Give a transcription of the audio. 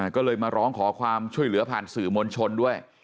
ก็เลยมาร้องขอความช่วยเหลือผ่านสื่อมวลชนด้วย